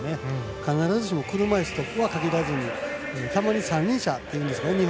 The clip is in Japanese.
必ずしも車いすとは限らずに、たまに三輪車っていうんですかね